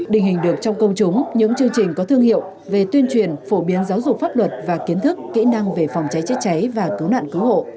đình hình được trong công chúng những chương trình có thương hiệu về tuyên truyền phổ biến giáo dục pháp luật và kiến thức kỹ năng về phòng trái trái trái và cứu nạn cứu hộ